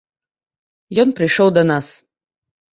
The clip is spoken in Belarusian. Ён прыйшоў да нас.